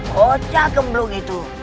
bocah kembung itu